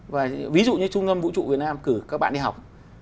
và ví dụ như trung tâm vũ trụ việt nam cử các bạn đi học